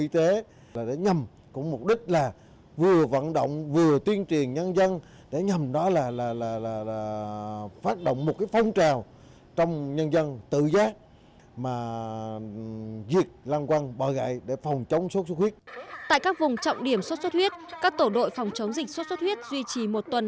tại các vùng trọng điểm sốt xuất huyết các tổ đội phòng chống dịch sốt xuất huyết duy trì một tuần